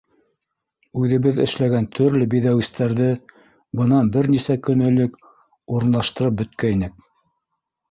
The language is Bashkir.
Үҙебеҙ эшләгән төрлө биҙәүестәрҙе бынан бер нисә көн элек урынлаштырып бөткәйнек.